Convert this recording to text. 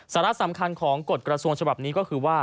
สาระสำคัญของกฎกระทรวงฉบับนี้ก็คือว่า